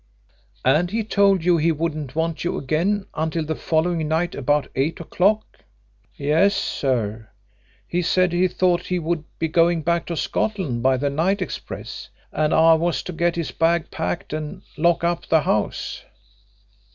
"And he told you he wouldn't want you again until the following night about eight o'clock?" "Yes, sir. He said he thought he would be going back to Scotland by the night express, and I was to get his bag packed and lock up the house."